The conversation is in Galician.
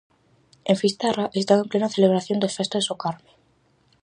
En Fisterra están en plena celebración das festas do Carme.